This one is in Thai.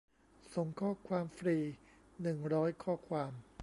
ส่งข้อความฟรี หนึ่งร้อยข้อความ